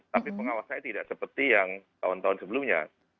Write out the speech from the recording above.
tapi pengawasan tidak seperti yang tahun tahun sebelumnya